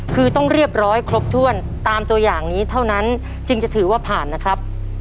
คือต้องเรียบร้อยครบถ้วนตามตัวอย่างนี้เท่านั้นจึงจะถือว่าผ่านนะครับ